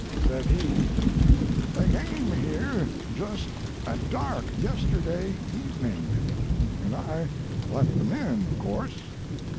Said he: "They came here just at dark yesterday evening, and I let them in, of course.